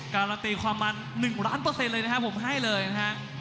การันตีความมัน๑ล้านเปอร์เซ็นต์เลยนะครับผมให้เลยนะฮะ